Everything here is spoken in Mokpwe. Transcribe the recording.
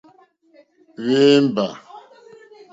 Wěmbà.